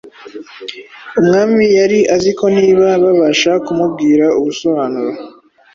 Umwami yari azi ko niba babasha kumubwira ubusobanuro,